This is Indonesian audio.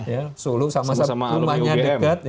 jadi solo sama sama rumahnya dekat